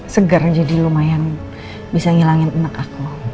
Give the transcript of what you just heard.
segar jadi lumayan bisa ngilangin enak aku